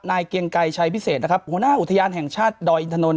เกียงไกรชัยพิเศษนะครับหัวหน้าอุทยานแห่งชาติดอยอินทนนท